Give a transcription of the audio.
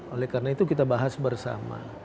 oleh karena itu kita bahas bersama